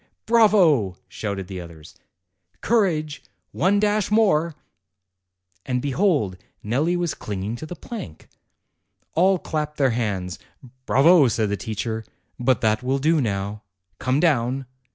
"Bravo!" shouted the others. "Courage one dash more!" and behold! Nelli was clinging to the plank. 218 APRIL All clapped their hands. "Bravo!" said the teacher. :< But that will do now. Come down."